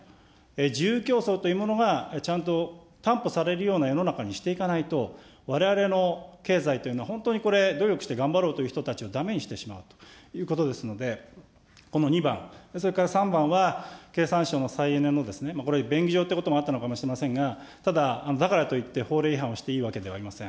自由競争というものがちゃんと担保されるような世の中にしていかないと、われわれの経済というのは本当にこれ、努力して頑張ろうという人たちをだめにしてしまうということですので、この２番、それから３番は経産省の再エネのこれ、便宜上ということもあったのかもしれませんが、ただだからといって、法令違反をしていいわけではありません。